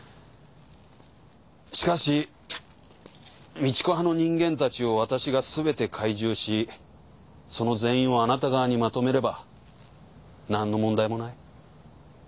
しかし美智子派の人間たちを私がすべて懐柔しその全員をあなた側にまとめれば何の問題もない。